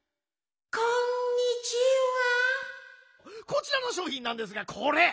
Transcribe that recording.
「こちらのしょうひんなんですがこれ！